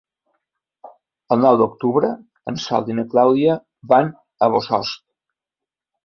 El nou d'octubre en Sol i na Clàudia van a Bossòst.